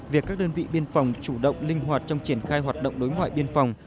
việc các đơn vị biên phòng chủ động linh hoạt trong triển khai hoạt động đối ngoại biên phòng